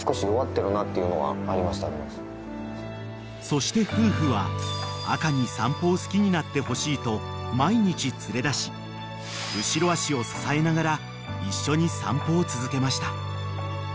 ［そして夫婦は赤に散歩を好きになってほしいと毎日連れ出し後ろ脚を支えながら一緒に散歩を続けました］